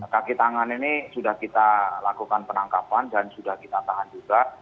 kaki tangan ini sudah kita lakukan penangkapan dan sudah kita tahan juga